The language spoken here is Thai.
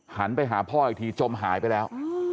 หันไปหาพ่ออีกทีจมหายไปแล้ว